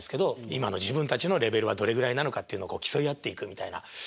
今の自分たちのレベルはどれぐらいなのかっていうのを競い合っていくみたいな。